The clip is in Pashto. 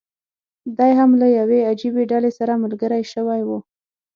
دی هم له یوې عجیبي ډلې سره ملګری شوی و.